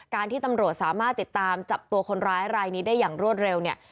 ที่ตำรวจสามารถติดตามจับตัวคนร้ายรายนี้ได้อย่างรวดเร็วเนี่ย